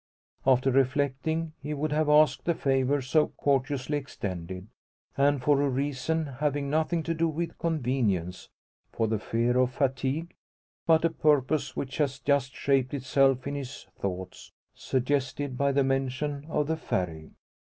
After reflecting, he would have asked the favour so courteously extended. And for a reason having nothing to do with convenience, for the fear of fatigue; but a purpose which has just shaped itself in his thoughts, suggested by the mention of the Ferry.